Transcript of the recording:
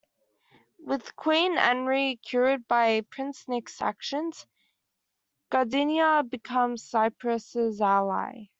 With Queen Anri cured by Prince Nick's actions, Guardiana becomes Cypress's ally.